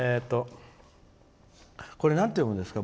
これ、なんて読むんですか？